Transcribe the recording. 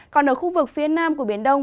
còn ở khu vực phía nam của biển đông